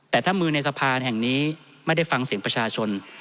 แต่ถ้ามือในสะพานแห่งนี้ไม่ได้ฟังเสียงประชาชน